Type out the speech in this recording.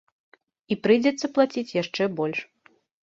І прыйдзецца плаціць яшчэ больш.